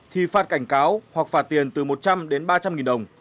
thì phạt cảnh cáo hoặc phạt tiền từ một trăm linh đến ba trăm linh nghìn đồng